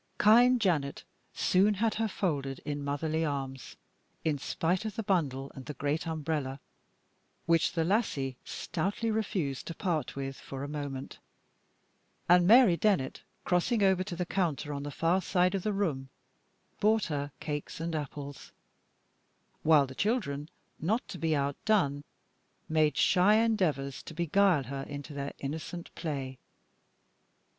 Kind Janet soon had her folded in motherly arms in spite of the bundle and the great umbrella, which the lassie stoutly refused to part with for a moment; and Mary Dennett, crossing over to the counter on the far side of the room, bought her cakes and apples; while the children, not to be outdone, made shy endeavors to beguile her into their innocent play.